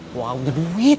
gua gak punya duit